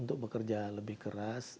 untuk bekerja lebih keras